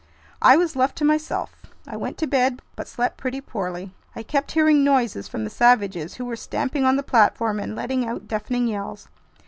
I was left to myself; I went to bed but slept pretty poorly. I kept hearing noises from the savages, who were stamping on the platform and letting out deafening yells.